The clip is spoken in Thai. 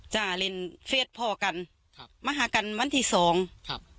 จะเล่นเฟสพ่อกันครับมาหากันวันที่สองครับ